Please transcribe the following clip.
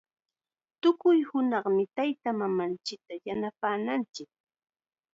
Tukuy hunaqmi taytamamanchikta yanapananchik.